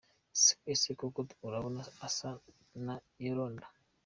Ese koko urabona asa na Yolanda?.